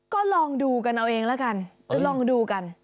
ก็ลองดูกันเอาเองละกันลองดูกัน